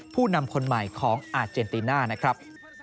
ผู้นำคนใหม่ของอาเจนติน่านะครับ